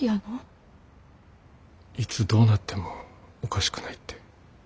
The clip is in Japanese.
・いつどうなってもおかしくないって。